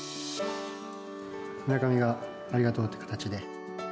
村上がありがとうっていう形で。